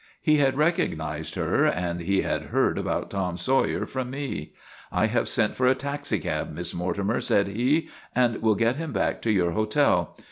He had recognized her and he had heard about Tom Sawyer from me. " I have sent for a taxicab, Miss Mortimer," said he, " and we '11 get him back to your hotel.